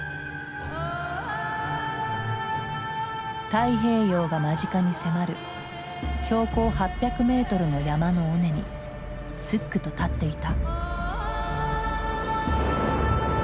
太平洋が間近に迫る標高８００メートルの山の尾根にすっくと立っていた。